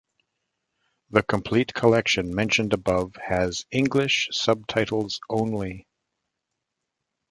The Complete Collection mentioned above has English subtitles only.